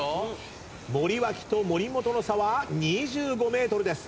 森脇と森本の差は２５ｍです。